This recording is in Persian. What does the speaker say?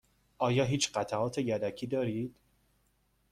آیا هیچ قطعات یدکی دارید؟